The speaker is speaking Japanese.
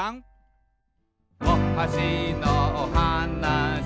「おはしのおはなし」